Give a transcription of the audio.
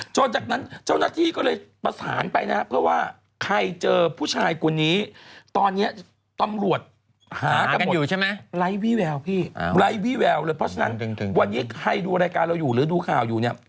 จนจากนั้นเจ้าหน้าที่ก็เลยประสานไปนะเพราะว่าใครเจอผู้ชายกว่านี้ตอนนี้ตำรวจหากันหมดหากันอยู่ใช่ไหม